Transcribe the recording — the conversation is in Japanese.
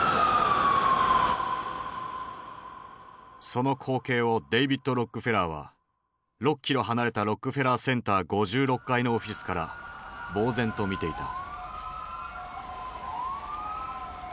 その光景をデイビッド・ロックフェラーは６キロ離れたロックフェラーセンター５６階のオフィスからぼう然と見ていた。